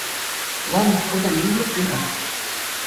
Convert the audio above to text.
Лана спорта мӗнле лекнӗ-ха?